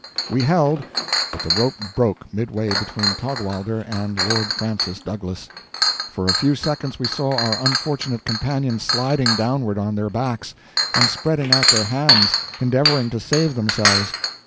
We held; but the rope broke midway between Taugwalder and Lord Francis Douglas. For a few seconds we saw our unfortunate companions sliding downward on their backs, and spreading out their hands, endeavoring to save themselves.